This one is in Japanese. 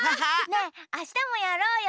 ねえあしたもやろうよ。